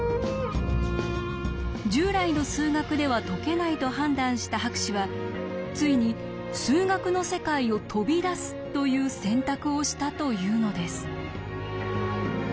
従来の数学では解けないと判断した博士はついに数学の世界を飛び出すという選択をしたというのです。